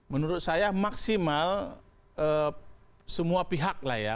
menurut saya maksimal semua pihak lah ya